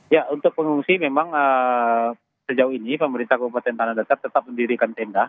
ya untuk pengungsi memang sejauh ini pemerintah kabupaten tanah datar tetap mendirikan tenda